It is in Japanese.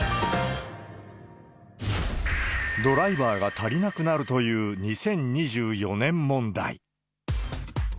ドライバーが足りなくなるという２０２４年問題。